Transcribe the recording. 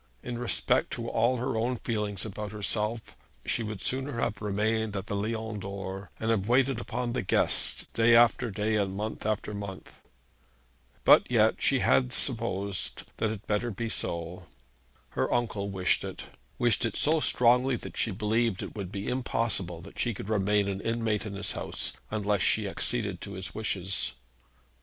In respect to all her own feelings about herself she would sooner have remained at the Lion d'Or, and have waited upon the guests day after day, and month after month. But yet she had supposed 'that it had better be so.' Her uncle wished it, wished it so strongly that she believed it would be impossible that she could remain an inmate in his house, unless she acceded to his wishes.